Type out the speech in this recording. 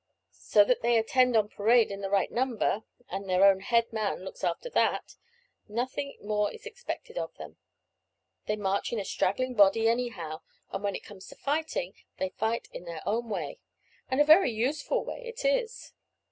So that they attend on parade in the right number and their own head man looks after that nothing more is expected of them. They march in a straggling body anyhow, and when it comes to fighting, they fight in their own way, and a very useful way it is."